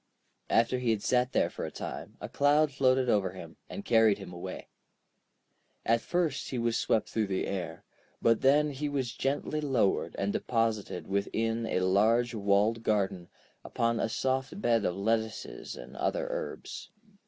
After he had sat there for a time, a cloud floated over him, and carried him away. At first he was swept through the air, but then he was gently lowered and deposited within a large walled garden, upon a soft bed of lettuces and other herbs.